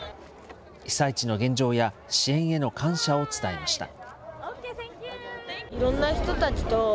被災地の現状や、支援への感謝を伝えました。